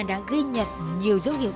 đã ghi nhật nhiều dấu hiệu